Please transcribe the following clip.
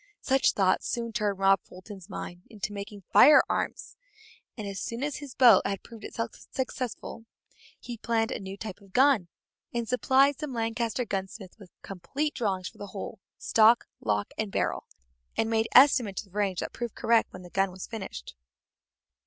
Such thoughts soon turned Rob Fulton's mind to making firearms, and as soon as his boat had proved itself successful, he planned a new type of gun, and supplied some Lancaster gunsmiths with complete drawings for the whole, stock, lock, and barrel, and made estimates of range that proved correct when the gun was finished.